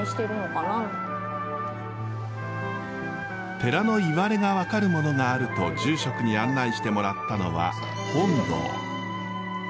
寺のいわれが分かるものがあると住職に案内してもらったのは本堂。